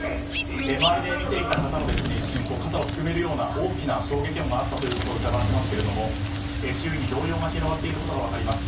周りで見ていた方も一瞬肩をすくめるような大きな衝撃音があったことをうかがわせますが周囲に動揺が広がっていることが分かります。